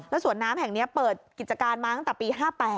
สวนน้ำแห่งนี้เปิดกิจการมาตั้งแต่ปี๕๘